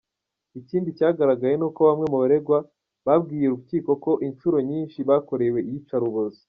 Ikindi cyagaragaye, ni uko bamwe mu baregwa babwiye urukiko ko inshuro nyinshi bakorewe iyicarubozo.